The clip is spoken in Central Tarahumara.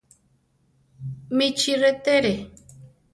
Michi rétere.